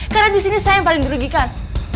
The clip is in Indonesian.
karena disini saya yang paling di rugikan